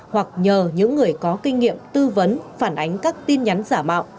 hoặc nhờ những người có kinh nghiệm tư vấn phản ánh các tin nhắn giả mạo